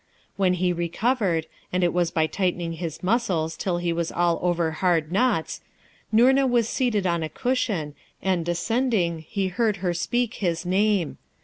When he recovered, and it was by tightening his muscles till he was all over hard knots, Noorna was seated on a cushion, and descending he heard her speak his name.